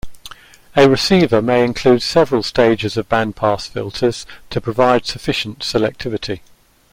A receiver may include several stages of bandpass filters to provide sufficient selectivity.